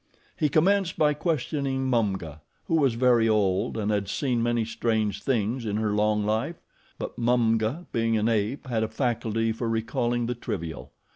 He commenced by questioning Mumga, who was very old and had seen many strange things in her long life; but Mumga, being an ape, had a faculty for recalling the trivial.